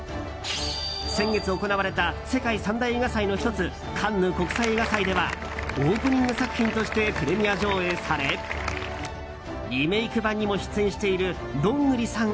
先月、行われた世界三大映画祭の１つカンヌ国際映画祭ではオープニング作品としてプレミア上映されリメイク版にも出演しているどんぐりさん